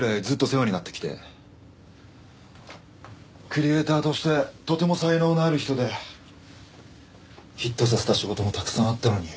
クリエーターとしてとても才能のある人でヒットさせた仕事もたくさんあったのに。